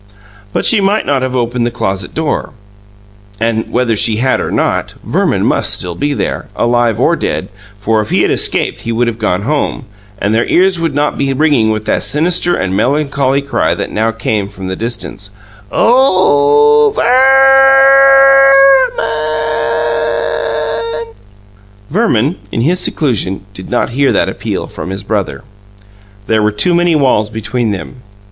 But she might not have opened the closet door. And whether she had or not, Verman must still be there, alive or dead, for if he had escaped he would have gone home, and their ears would not be ringing with the sinister and melancholy cry that now came from the distance, "Oo o oh, Ver er ma an!" Verman, in his seclusion, did not hear that appeal from his brother; there were too many walls between them.